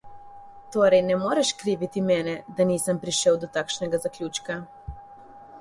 Torej, ne moreš kriviti mene, da nisem prišel do takšnega zaključka.